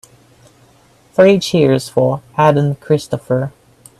Three cheers for Aden Christopher.